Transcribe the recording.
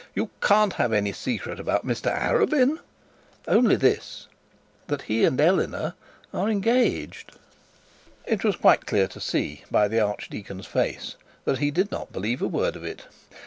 'You can't have any secret about Mr Arabin.' 'Only this that he and Eleanor are engaged.' It was quite clear to see by the archdeacon's face, that he did not believe a word of it.